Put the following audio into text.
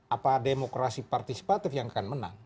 apa demokrasi partisipatif yang akan menang